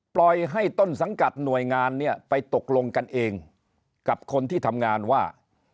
ปล่อยให้ต้นสังกัดหน่วยงานเนี่ยไปตกลงกันเองกับคนที่ทำงานว่า